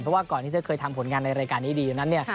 เพราะว่าก่อนที่เธอเคยทำผลงานในรายการนี้ดีอยู่นั้น